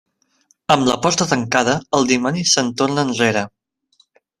Amb la porta tancada, el dimoni se'n torna arrere.